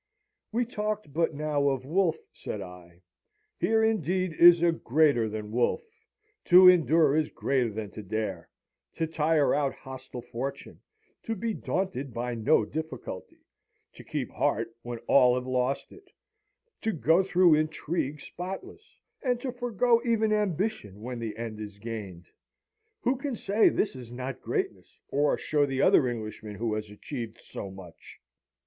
"We talked but now of Wolfe," said I. "Here, indeed, is a greater than Wolfe. To endure is greater than to dare; to tire out hostile fortune; to be daunted by no difficulty; to keep heart when all have lost it; to go through intrigue spotless; and to forgo even ambition when the end is gained who can say this is not greatness, or show the other Englishman who has achieved so much?"